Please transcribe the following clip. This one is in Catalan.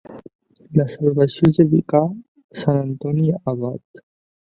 La salvació es dedicà a Sant Antoni Abat.